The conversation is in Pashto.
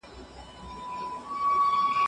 نورو ته اذیت مه ورکوئ.